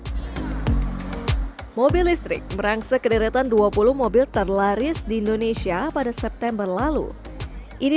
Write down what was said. hai mobil listrik merangsa kederetan dua puluh mobil terlaris di indonesia pada september lalu ini